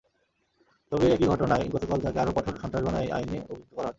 তবে একই ঘটনায় গতকাল তাঁকে আরও কঠোর সন্ত্রাসবাদ আইনে অভিযুক্ত করা হয়।